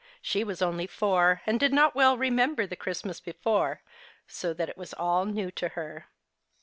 She was only four and did not well remember the Christmas before, so that it was all new to her.